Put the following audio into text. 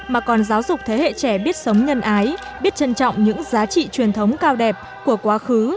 mà còn giáo dục thế hệ trẻ biết sống nhân ái biết trân trọng những giá trị truyền thống cao đẹp của quá khứ